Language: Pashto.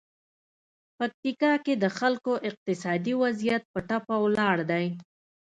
پکتیکا کې د خلکو اقتصادي وضعیت په ټپه ولاړ دی.